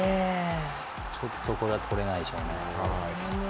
ちょっとこれはとれないでしょうね。